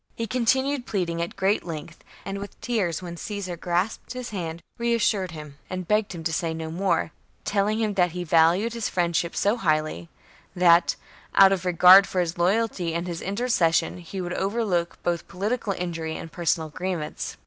He continued pleading at great length and with tears when Caesar grasped his hand, re assured him, and begged him to say no more, telling him that he valued his friendship so highly that, out of regard for his loyalty and his inter cession, he would overlook both political injury and personal grievance.